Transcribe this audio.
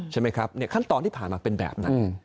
ใช่ไหมครับขั้นตอนที่ผ่านมาเป็นแบบนั้น